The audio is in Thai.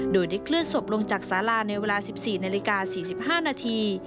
โดยได้เคลื่อนศพลงจากสาราในเวลา๑๔นาฬิกา๔๕นาที